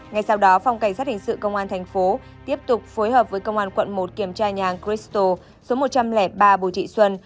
ngày sau đó phòng cảnh sát hình sự công an thành phố tiếp tục phối hợp với công an quận một kiểm tra nhà hàng crystal số một trăm linh ba bùi trị xuân